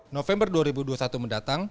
november dua ribu dua puluh satu mendatang